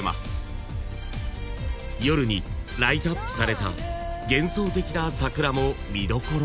［夜にライトアップされた幻想的な桜も見どころ］